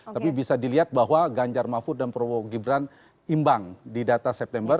tapi bisa dilihat bahwa ganjar mahfud dan prabowo gibran imbang di data september